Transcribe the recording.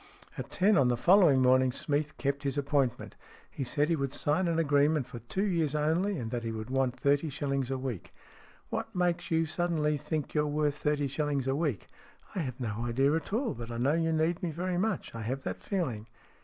At ten on the following morning Smeath kept his appointment. He said he would sign an agreement for two years only, and that he would want thirty shillings a week. " What makes you suddenly think you're worth thirty shillings a week ?"" I have no idea at all, but I know you need me very much. I have that feeling."